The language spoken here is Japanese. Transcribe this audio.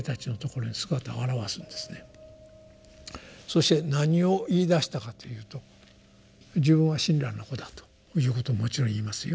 そして何を言いだしたかというと自分は親鸞の子だということをもちろん言いますよ。